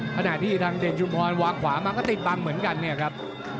ขณะที่ทางเด่นชุมพรวางขวามาก็ติดบังเหมือนกันเนี่ยครับ